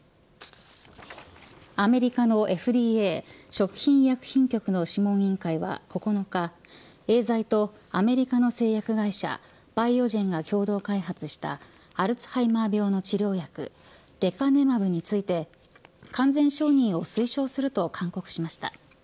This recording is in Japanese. アメリカのＦＤＡ食品医薬品局の諮問委員会は９日エーザイとアメリカの製薬会社バイオジェンが共同開発したアルツハイマー病の治療薬レカネマブについて完全承認を推奨すると勧告しました。